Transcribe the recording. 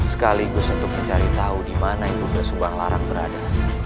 sekaligus untuk mencari tahu dimana ibu besubang larang berada